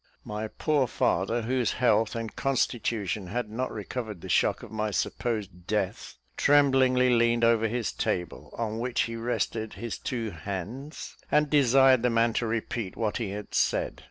My poor father, whose health and constitution had not recovered the shock of my supposed death, tremblingly leaned over his table, on which he rested his two hands, and desired the man to repeat what he had said.